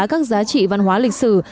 các giá trị văn hóa lịch sử